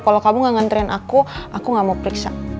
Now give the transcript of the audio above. kalo kamu gak nganterin aku aku gak mau periksa